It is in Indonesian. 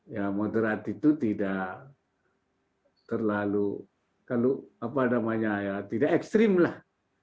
ya moderat itu tidak terlalu kalau apa namanya ya tidak ekstrim lah